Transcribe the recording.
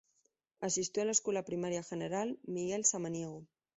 Asistió a la escuela primaria General Miguel Samaniego.